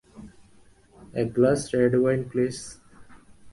এক glass red wine, please?